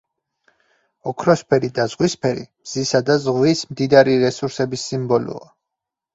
ოქროსფერი და ზღვისფერი მზისა და ზღვის მდიდარი რესურსების სიმბოლოა.